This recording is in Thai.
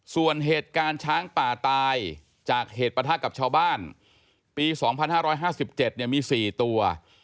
ส่วนเหตุการณ์ช้างป่าตายจากเหตุประทะกับชาวบ้านปี๒๕๕๗มี๔ตัว